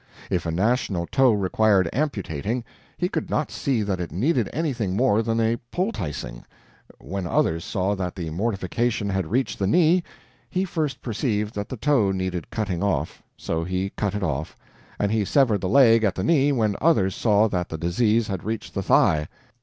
If a national toe required amputating, he could not see that it needed anything more than poulticing; when others saw that the mortification had reached the knee, he first perceived that the toe needed cutting off so he cut it off; and he severed the leg at the knee when others saw that the disease had reached the thigh.